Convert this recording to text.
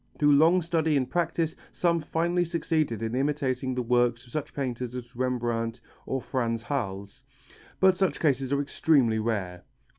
Through long study and practice some finally succeed in imitating the work of such painters as Rembrandt or Frans Hals, but such cases are extremely rare.